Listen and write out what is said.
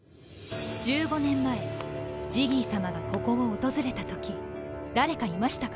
１５年前ジギーさまがここを訪れた時誰かいましたか？